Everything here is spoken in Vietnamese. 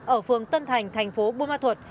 ở phường tân thành tp bô ma thuật